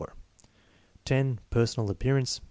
Personal appearance.